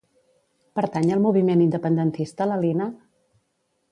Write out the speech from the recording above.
Pertany al moviment independentista la Lina?